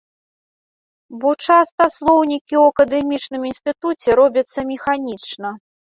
Бо часта слоўнікі ў акадэмічным інстытуце робяцца механічна.